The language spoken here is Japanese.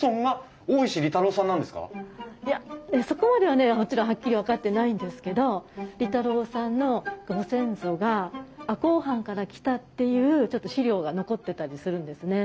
いやそこまではねもちろんはっきり分かってないんですけど利太郎さんのご先祖が赤穂藩から来たっていうちょっと資料が残ってたりするんですね。